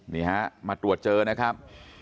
นี่ฮะมาตรวจเจอนะครับ